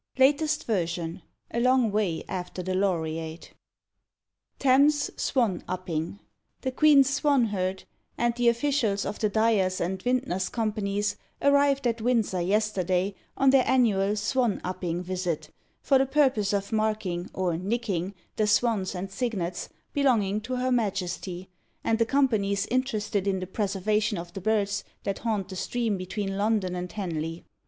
(Latest Version, a long way after the Laureate.) "THAMES 'SWAN UPPING.' The QUEEN'S swanherd and the officials of the Dyers' and Vintners' Companies arrived at Windsor yesterday on their annual 'swan upping' visit, for the purpose of marking or 'nicking' the swans and cygnets belonging to HER MAJESTY, and the Companies interested in the preservation of the birds that haunt the stream between London and Henley.